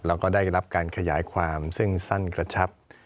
แล้วก็ได้รับการขยายความซึ่งสั้นกระชับ